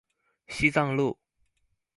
西藏路